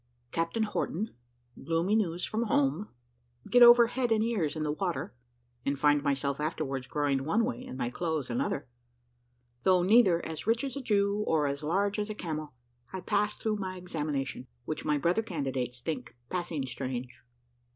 CAPTAIN HORTON GLOOMY NEWS FROM HOME GET OVER HEAD AND EARS IN THE WATER, AND FIND MYSELF AFTERWARDS GROWING ONE WAY, AND MY CLOTHES ANOTHER THOUGH NEITHER AS RICH AS A JEW, OR AS LARGE AS A CAMEL, I PASS THROUGH MY EXAMINATION, WHICH MY BROTHER CANDIDATES THINK PASSING STRANGE.